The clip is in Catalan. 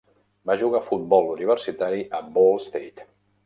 Va jugar futbol universitari a Ball State.